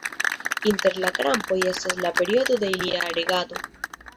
Inter la krampoj estas la periodo de ilia regado.